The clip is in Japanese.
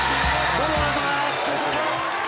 どうもお願いします